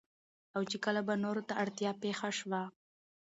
او چې کله به نورو ته اړتيا پېښه شوه